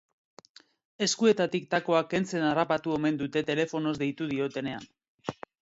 Eskuetatik takoak kentzen harrapatu omen dute telefonoz deitu diotenean.